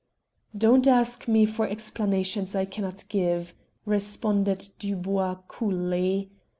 "Don't ask me for explanations I cannot give," responded Dubois coolly.